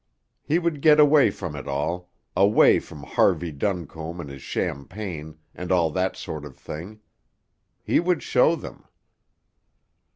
He would get away from it all, away from Harvey Duncombe and his champagne, and all that sort of thing. He would show them!